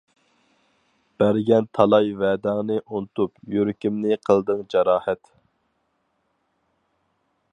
بەرگەن تالاي ۋەدەڭنى ئۇنتۇپ، يۈرىكىمنى قىلدىڭ جاراھەت.